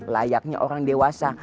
layaknya orang dewasa